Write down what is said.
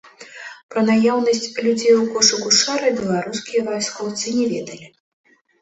Пра наяўнасць людзей у кошыку шара беларускія вайскоўцы не ведалі.